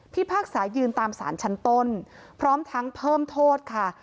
พากษายืนตามสารชั้นต้นพร้อมทั้งเพิ่มโทษค่ะ